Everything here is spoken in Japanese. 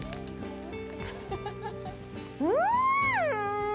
うん！